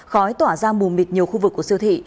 khói tỏa ra mù mịt nhiều khu vực của siêu thị